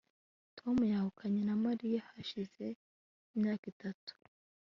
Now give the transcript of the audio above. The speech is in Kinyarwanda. Tom yahukanye na Mariya hashize imyaka itatu